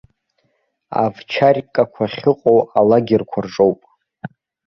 Авчарькақәа ахьыҟоу алагерқәа рҿоуп.